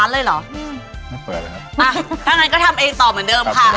อะถ้าอย่างนั้นก็ทำเองต่อเหมือนเดิมค่ะ